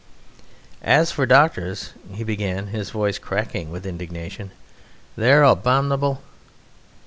"As for doctors!" he began, his voice cracking with indignation, "their abominable...."